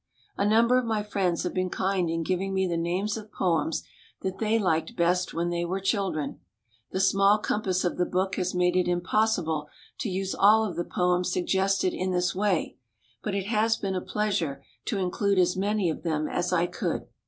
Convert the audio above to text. A number of my friends have been kind in giving me the names of poems that they liked best when they were chil dren. The small compass of the book has made it impossible to use all of the poems suggested in this way, but it has been a pleasure to include as many of them as I could.